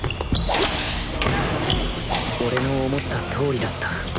俺の思った通りだった。